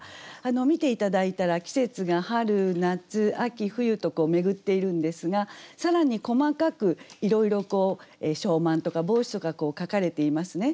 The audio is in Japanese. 見て頂いたら季節が春夏秋冬と巡っているんですが更に細かくいろいろ小満とか芒種とか書かれていますね。